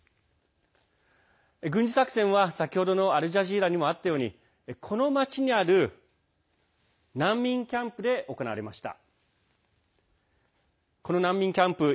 軍事作戦は、先ほどのアルジャジーラにもあったようにこの町にある難民キャンプで行われました。